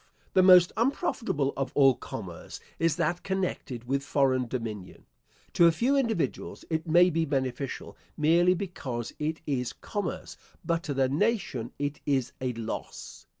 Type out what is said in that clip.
The most unprofitable of all commerce is that connected with foreign dominion. To a few individuals it may be beneficial, merely because it is commerce; but to the nation it is a loss.